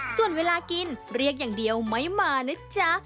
ส่วนเวลากินเรียกอย่างเดียวไม่มานะจ๊ะ